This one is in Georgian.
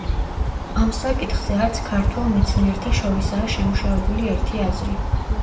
ამ საკითხზე არც ქართველ მეცნიერთა შორისაა შემუშავებული ერთი აზრი.